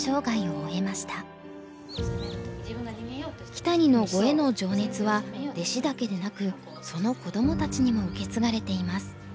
木谷の碁への情熱は弟子だけでなくその子どもたちにも受け継がれています。